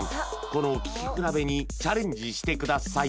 この聴き比べにチャレンジしてください